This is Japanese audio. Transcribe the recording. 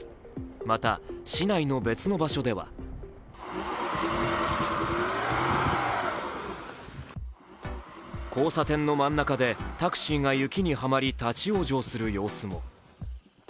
また市内の別の場所では交差点の真ん中でタクシーが雪にはまり立往生する様子も。